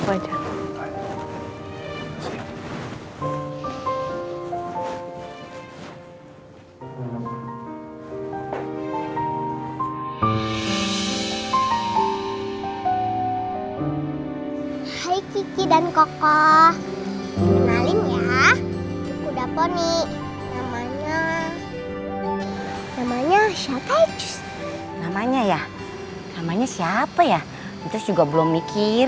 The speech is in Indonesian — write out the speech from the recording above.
kemarin om baik dah bilang katanya papa dah izin